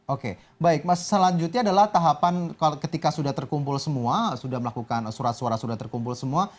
oke baik mas selanjutnya adalah tahapan ketika sudah terkumpul semua sudah melakukan surat suara sudah terkumpul semua